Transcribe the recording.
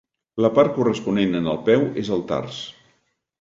La part corresponent en el peu és el tars.